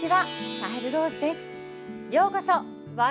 サヘル・ローズです。